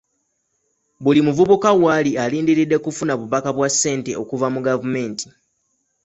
Buli muvubuka waali alindiridde kufuna bubaka bwa sente okuva mu gavumenti.